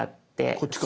こっちか。